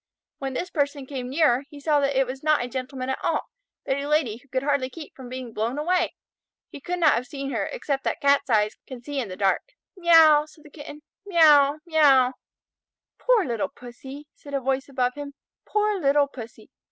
When this person came nearer he saw that it was not a Gentleman at all, but a Lady who could hardly keep from being blown away. He could not have seen her except that Cat's eyes can see in the dark. "Meouw!" said the Kitten. "Meouw! Meouw!" "Poor little Pussy!" said a voice above him. "Poor little Pussy!